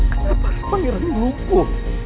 kenapa harus pangeran ini lumpuh